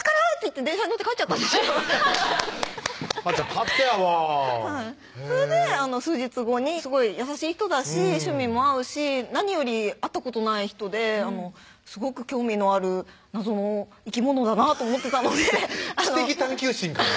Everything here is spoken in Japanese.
勝手やわそれで数日後にすごい優しい人だし趣味も合うし何より会ったことない人ですごく興味のある謎の生き物だなぁと思ってたので知的探究心から？